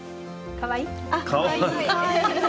かわいい。